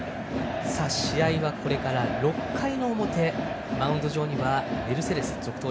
試合はこれから６回の表マウンド上にはメルセデス続投。